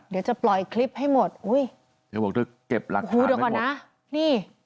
เดี๋ยวจะปล่อยคลิปให้หมดเดี๋ยวก็เก็ปรักษณ์ไปมิดังนะ